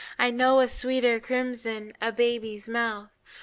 I know a sweeter crimson A baby's mouth.